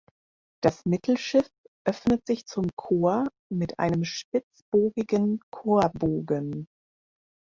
Das Mittelschiff öffnet sich zum Chor mit einem spitzbogigen Chorbogen.